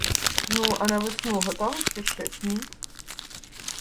— Ну, а на весну готовиться щось — ні?